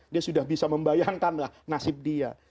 dia sudah bisa membayangkanlah nasib dia